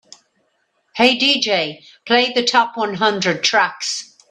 "Hey DJ, play the top one hundred tracks"